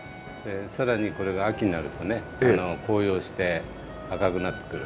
更にこれが秋になるとね紅葉して赤くなってくる。